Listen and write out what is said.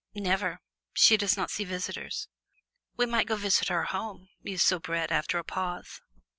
"Never; she does not see visitors." "We might go visit her home," mused Soubrette, after a pause.